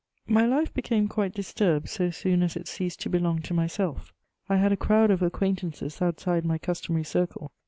My life became quite disturbed so soon as it ceased to belong to myself. I had a crowd of acquaintances outside my customary circle.